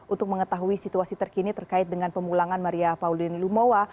untuk mengetahui situasi terkini terkait dengan pemulangan maria pauline lumowa